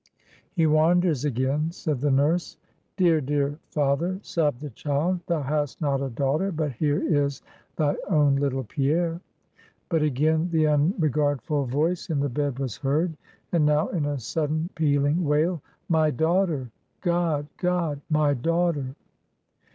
"He wanders again," said the nurse. "Dear, dear father!" sobbed the child "thou hast not a daughter, but here is thy own little Pierre." But again the unregardful voice in the bed was heard; and now in a sudden, pealing wail, "My daughter! God! God! my daughter!"